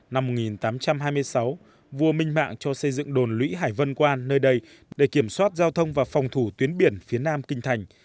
năm một nghìn tám trăm hai mươi sáu vua minh mạng cho xây dựng đồn lũy hải vân quan nơi đây để kiểm soát giao thông và phòng thủ tuyến biển phía nam kinh thành